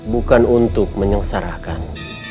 bukan untuk menyengsarakan